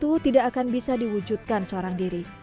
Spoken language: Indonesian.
itu tidak akan bisa diwujudkan seorang diri